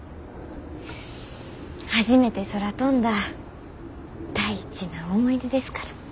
初めて空飛んだ大事な思い出ですから。